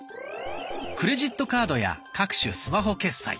クレジットカードや各種スマホ決済